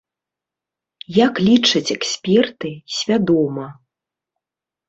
Як лічаць эксперты, свядома.